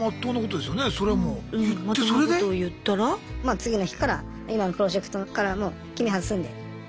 次の日から今のプロジェクトからもう君外すんで。